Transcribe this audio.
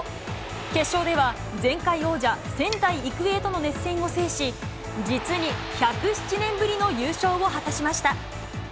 決勝では、前回王者、仙台育英との熱戦を制し、実に１０７年ぶりの優勝を果たしました。